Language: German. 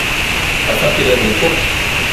Was habt ihr denn geguckt?